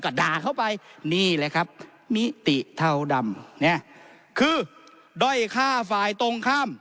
ก็ด่าเข้าไปนี่แหละครับมิติเทาดำเนี่ยคือด้อยฆ่าฝ่ายตรงข้าม